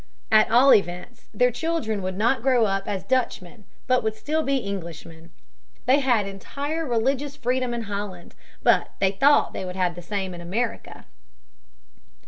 At all events, their children would not grow up as Dutchmen, but would still be Englishmen. They had entire religious freedom in Holland; but they thought they would have the same in America.